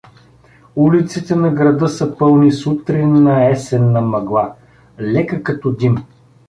Улиците на града са пълни с утринна есенна мъгла — лека като дим.